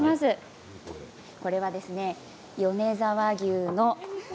これは米沢牛の。